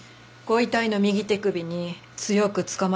ご遺体の右手首に強くつかまれた痕が。